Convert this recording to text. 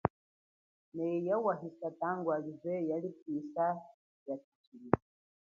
Neye yawahisa tangwa lize yalipwisa lia chijila.